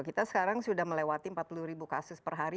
kita sekarang sudah melewati empat puluh ribu kasus per hari